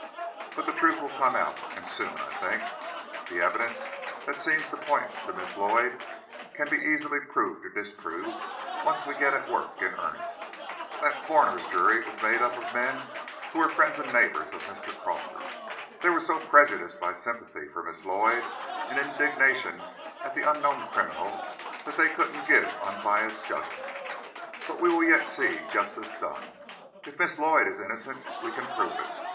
But the truth will come out, and soon, I think. The evidence that seems to point to Miss Lloyd can be easily proved or disproved, once we get at the work in earnest. That coroner's jury was made up of men who were friends and neighbors of Mr. Crawford. They were so prejudiced by sympathy for Miss Lloyd, and indignation at the unknown criminal, that they couldn't give unbiased judgment. But we will yet see justice done. If Miss Lloyd is innocent, we can prove it.